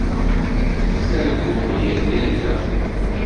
Ttarguɣ yir tirga.